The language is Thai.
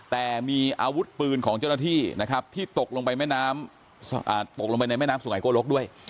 แต่มีอาวุธปืนของเจ้าหน้าที่นะครับที่ตกลงไปในแม่น้ำสุข่ายโกรกด้วย